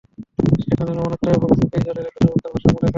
সেখানে লবণাক্ত এবং সুপেয় জলের একটা চমৎকার ভারসাম্য দেখা যায়।